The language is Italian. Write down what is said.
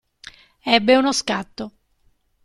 Ebbe uno scatto.